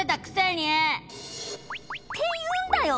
って言うんだよ！